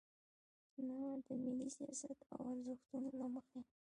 نه د ملي سیاست او ارزښتونو له مخې.